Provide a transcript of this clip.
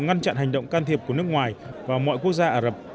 ngăn chặn hành động can thiệp của nước ngoài vào mọi quốc gia ả rập